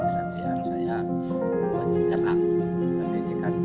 saya ingin kenal penyelidikan